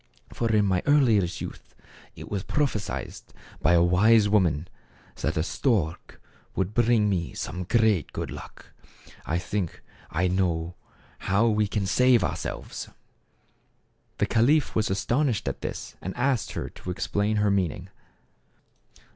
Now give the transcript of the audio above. For in my earliest youth it was prophesied by a wise woman that a stork would bring me some great good luck. I think I know how we can save ourselves." The caliph w r as astonished at this and asked her to explain her meaning.